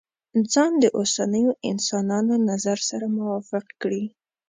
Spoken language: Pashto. ځان د اوسنيو انسانانو نظر سره موافق کړي.